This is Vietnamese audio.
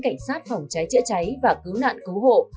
cảnh sát phòng cháy chữa cháy và cứu nạn cứu hộ